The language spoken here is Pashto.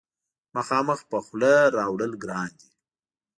مخامخ په خوله راوړل ګران دي.